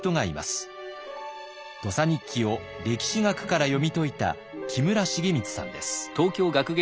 「土佐日記」を歴史学から読み解いた木村茂光さんです。